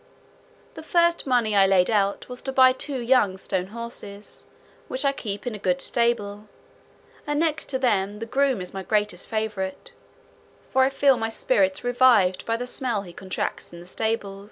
The first money I laid out was to buy two young stone horses, which I keep in a good stable; and next to them, the groom is my greatest favourite, for I feel my spirits revived by the smell he contracts in the stable.